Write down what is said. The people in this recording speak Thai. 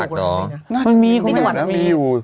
มันมีคงไม่อยู่นะมีอยู่